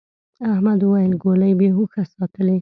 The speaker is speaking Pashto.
احمد وويل: گولۍ بې هوښه ساتلې.